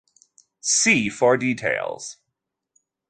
See for details.